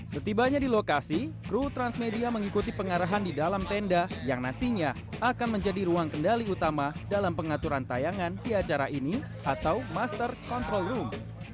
setibanya di lokasi kru transmedia mengikuti pengarahan di dalam tenda yang nantinya akan menjadi ruang kendali utama dalam pengaturan tayangan di acara ini atau master control room